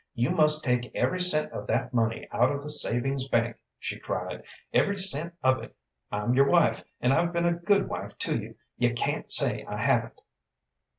"You must take every cent of that money out of the savings bank," she cried, "every cent of it. I'm your wife, and I've been a good wife to you, you can't say I haven't."